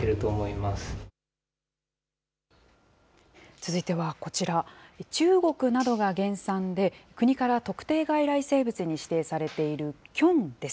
続いてはこちら、中国などが原産で、国から特定外来生物に指定されているキョンです。